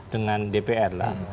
dengan dpr lah